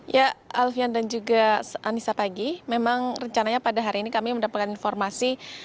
ya alfian dan juga anissa pagi memang rencananya pada hari ini kami mendapatkan informasi